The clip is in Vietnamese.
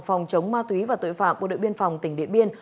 phòng chống ma túy và tội phạm bộ đội biên phòng tỉnh điện biên